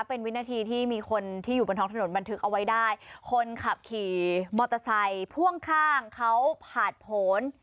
เป็นวินาทีที่มีคนที่อยู่บนท้องถนนบันทึกเอาไว้ได้คนขับขี่มอเตอร์ไซค์พ่วงข้างเขาผ่านผล